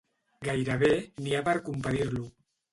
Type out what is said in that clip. Gairebé n'hi ha per compadir-lo.